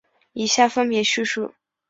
以下分别叙述。